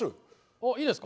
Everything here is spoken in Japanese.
あっいいですか？